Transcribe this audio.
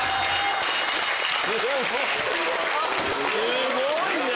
すごいね！